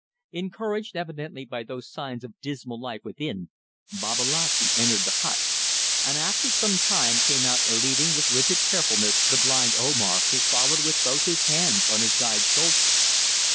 Encouraged evidently by those signs of dismal life within, Babalatchi entered the hut, and after some time came out leading with rigid carefulness the blind Omar, who followed with both his hands on his guide's shoulders.